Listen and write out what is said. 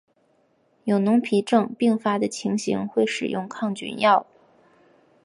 有脓皮症并发的情形会使用抗菌药。